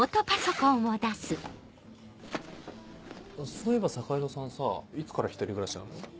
そういえば坂井戸さんさいつから１人暮らしなの？